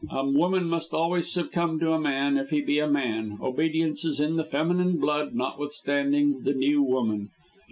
A woman must always succumb to a man, if he be a man; obedience is in the feminine blood, notwithstanding the New Woman.